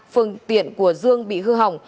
phương tiện của dương bị hư hỏng